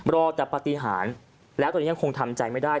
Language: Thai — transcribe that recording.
รอแต่ปฏิหารแล้วตอนนี้ยังคงทำใจไม่ได้